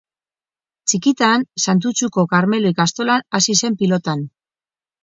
Txikitan Santutxuko Karmelo ikastolan hasi zen pilotan.